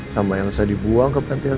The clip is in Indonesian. sama elsa dibuang ke pantai asuhan